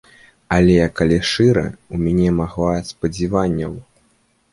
Але, калі шчыра, у мяне магла спадзяванняў.